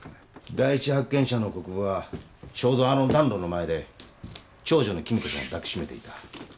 第一発見者の国府はちょうどあの暖炉の前で長女の貴美子さんを抱き締めていた。